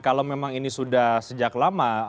kalau memang ini sudah sejak lama